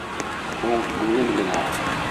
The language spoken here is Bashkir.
Һуң бөгөн генә...